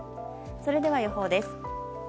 それでは予報です。